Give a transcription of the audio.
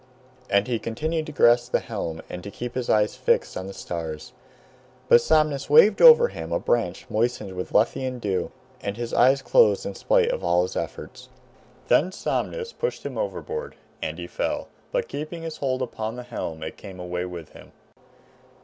And he continued to grasp the helm and to keep his eyes fixed on the stars. But Somnus waved over him a branch moistened with Lethaean dew, and his eyes closed in spite of all his efforts. Then Somnus pushed him overboard and he fell; but keeping his hold upon the helm, it came away with him.